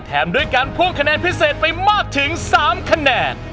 ด้วยการพ่วงคะแนนพิเศษไปมากถึง๓คะแนน